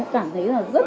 cảm thấy rất là bức xúc